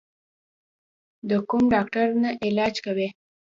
د کوم ډاکټر نه علاج کوې؟